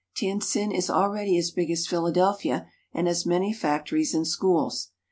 Tientsin is already as big as Philadelphia and has many factories and schools.